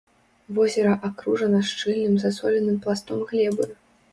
Возера акружана шчыльным засоленым пластом глебы.